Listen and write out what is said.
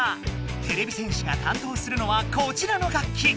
てれび戦士が担当するのはこちらの楽器。